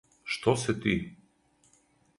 Што се ти?